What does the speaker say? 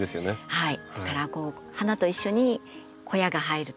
はい。